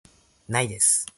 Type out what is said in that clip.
Ninetieth.